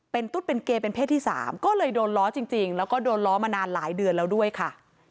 เป็นตุ๊ดเป็นเกย์เป็นเพศที่๓ก็เลยโดนล้อจริงแล้วก็โดนล้อมานานหลายเดือนแล้วด้วยค่ะ